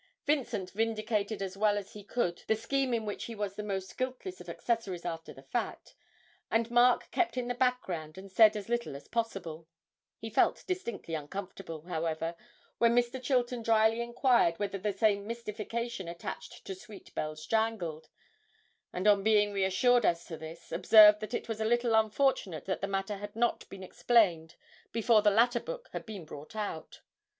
Vincent vindicated as well as he could the scheme in which he was the most guiltless of accessories after the fact, and Mark kept in the background and said as little as possible; he felt distinctly uncomfortable, however, when Mr. Chilton drily inquired whether the same mystification attached to 'Sweet Bells Jangled,' and on being reassured as to this, observed that it was a little unfortunate that the matter had not been explained before the latter book had been brought out.